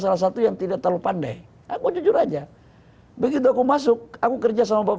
salah satu yang tidak terlalu pandai aku jujur aja begitu aku masuk aku kerja sama bapak